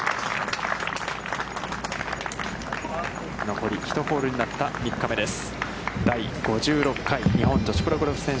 残り１ホールになった３日目です。